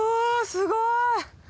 すごい！